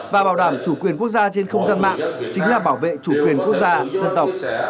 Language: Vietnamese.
và bảo đảm chủ quyền quốc gia trên không gian mạng chính là bảo vệ chủ quyền quốc gia dân tộc